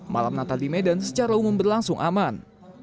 malam natal di medan secara umum berlangsung aman